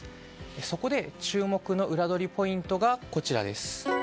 そこで、注目のウラどりポイントがこちら。